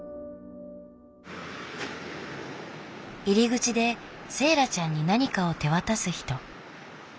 入り口でセーラちゃんに何かを手渡す人。